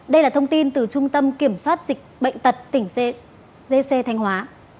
đây là thông tin từ trung tâm kiểm soát dịch bệnh tật tỉnh d c thanh hóa